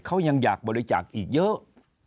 เขายังอยากบริจาคอีกเยอะ